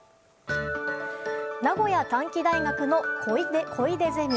名古屋短期大学の小出ゼミ。